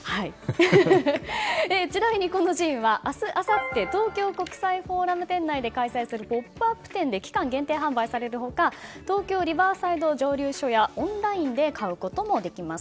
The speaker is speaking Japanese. ちなみにこのジンは明日あさって東京国際フォーラム店内で開催するポップアップ店で期間限定販売される他東京リバーサイド蒸留所やオンラインで買うこともできます。